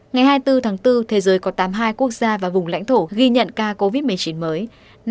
ngày hai mươi bốn tháng bốn thế giới có tám mươi hai quốc gia và vùng lãnh thổ ghi nhận ca covid một mươi chín mới